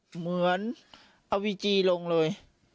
เหมือนเอาวีจีลงเลย